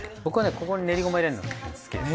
ここにねりごま入れるの好きですね。